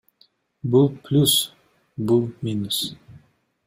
Бул плюс, бул минус.